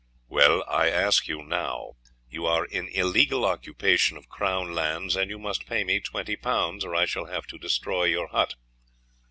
"Well, I ask you now. You are in illegal occupation of Crown lands, and you must pay me twenty pounds, or I shall have to destroy your hut."